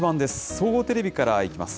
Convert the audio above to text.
総合テレビからいきます。